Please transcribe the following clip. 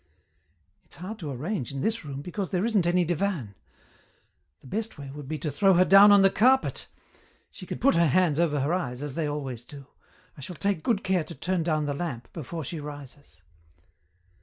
"It's hard to arrange in this room, because there isn't any divan. The best way would be to throw her down on the carpet. She can put her hands over her eyes, as they always do. I shall take good care to turn down the lamp before she rises.